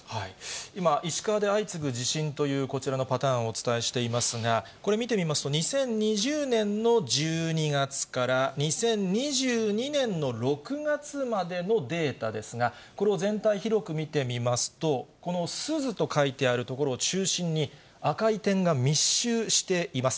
今、石川で相次ぐ地震という、こちらのパターンをお伝えしていますが、これ見てみますと、２０２０年の１２月から２０２２年の６月までのデータですが、これを全体、広く見てみますと、この珠洲と書いてある所を中心に、赤い点が密集しています。